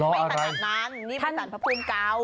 ไม่ตัดน้ำนี่มาตัดพะภูมิเก่า